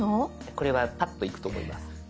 これはパッといくと思います。